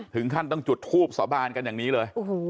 ถึงขั้นต้องจุดทูบสาบานกันอย่างนี้เลย